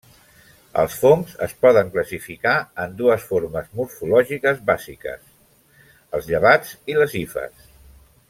Els fongs es poden classificar en dues formes morfològiques bàsiques: els llevats i les hifes.